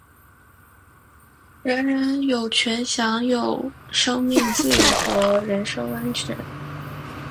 人人有权享有生命、自由和人身安全。